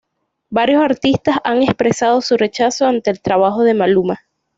Varios artistas han expresado su rechazo ante el trabajo de Maluma.